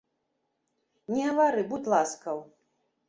Не гавары, будзь ласкаў!